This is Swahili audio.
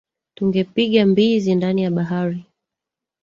Tungepiga mbizi ndani ya bahari